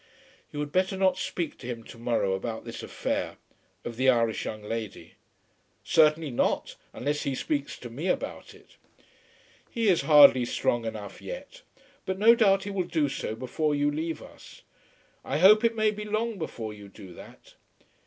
"You had better not speak to him to morrow about this affair, of the Irish young lady." "Certainly not, unless he speaks to me about it." "He is hardly strong enough yet. But no doubt he will do so before you leave us. I hope it may be long before you do that."